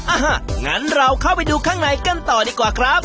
อ่ะงั้นเราเข้าไปดูข้างในกันต่อดีกว่าครับ